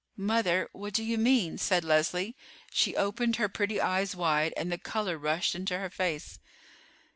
"Mother, what do you mean?" said Leslie. She opened her pretty eyes wide, and the color rushed into her face.